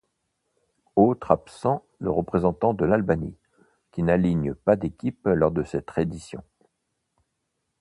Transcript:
Autre absent, le représentant de l'Albanie, qui n'aligne pas d'équipe lors de cette édition.